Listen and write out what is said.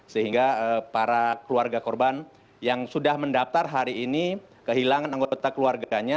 sehingga para keluarga korban yang sudah mendaftar hari ini kehilangan anggota keluarganya